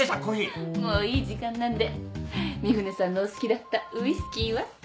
もういい時間なんで三船さんのお好きだったウイスキーは？